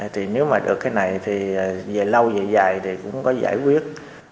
thì nếu mà được cái này thì về lâu về dài thì cũng có giải quyết